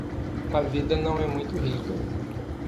A vida não é muito rica